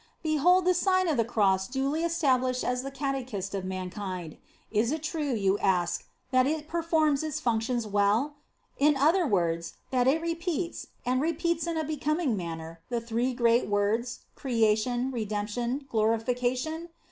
"* o Behold the Sign of the Cross duly estab lished as the catechist ot mankind. Is it true, you ask, that it performs its functions well? in other words, that it repeats, and repeats in a becoming manner, the three great words, Creation, Redemption, Glorification